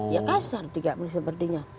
ya kasar juga sepertinya